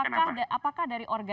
karena apakah dari organda